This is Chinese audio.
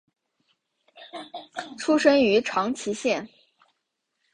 出身于长崎县。